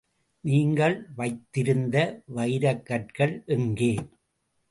நீங்கள் வைத்திருந்த வைரக்கற்கள் எங்கே?